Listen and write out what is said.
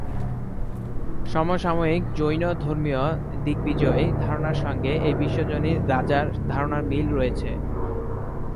সমসাময়িক জৈন ধর্মীয় দিগ্বিজয়ী ধারণার সঙ্গে এ বিশ্বজনীন রাজার ধারণার মিল রয়েছে।